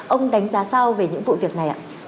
ông đánh giá sao về những vụ việc này ạ